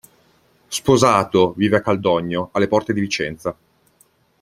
Sposato, vive a Caldogno, alle porte di Vicenza.